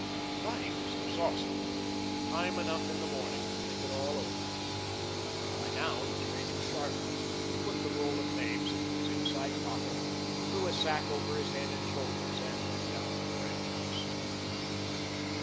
But he was exhausted. Time enough in the morning to think it all over. By now it was raining sharply. He put the roll of names into his inside pocket, threw a sack over his head and shoulders, and went down to the ranch house.